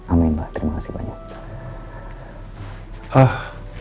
amin mbak terima kasih banyak